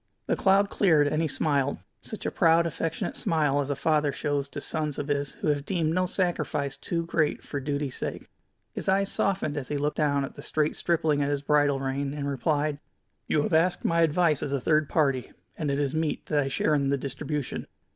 The cloud cleared and he smiled, such a proud, affectionate smile as a father shows to sons of his who have deemed no sacrifice too great for duty's sake. His eyes softened as he looked down at the straight stripling at his bridle rein, and replied: "You have asked my advice as a third party, and it is meet that I share in the distribution.